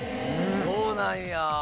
そうなんや！